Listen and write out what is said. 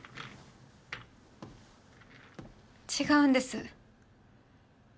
違うんです。